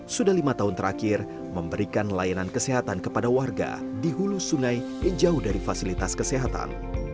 sudah lima tahun terakhir memberikan layanan kesehatan kepada warga di hulu sungai yang jauh dari fasilitas kesehatan